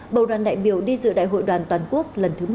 bầu đoàn đại biểu đi dự đại hội đoàn toàn quốc lần thứ một mươi ba